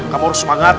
kamu harus semangat